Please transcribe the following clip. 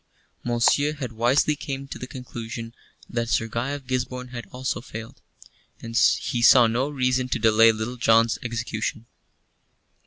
Monceux had wisely come to the conclusion that Sir Guy of Gisborne had also failed, and he saw no reason to delay Little John's execution.